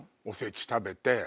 おせち食べて。